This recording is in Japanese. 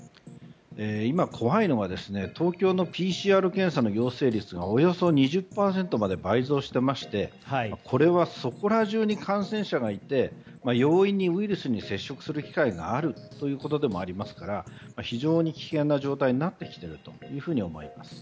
今、怖いのが東京のＰＣＲ検査の陽性率がおよそ２０％まで倍増していましてこれは、そこら中に感染者がいて容易にウイルスに接触する機会があるということでもありますから非常に危険な状況になってきていると思います。